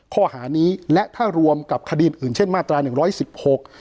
ข้อหานี้และถ้ารวมกับคดีอื่นเช่นมาตราหนึ่งร้อยสิบหก